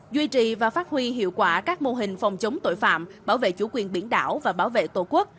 duy trì và phát huy hiệu quả các mô hình phòng chống tội phạm bảo vệ chủ quyền biển đảo và bảo vệ tổ quốc